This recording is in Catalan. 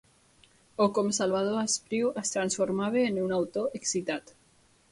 O com Salvador Espriu es transformava en un autor excitat.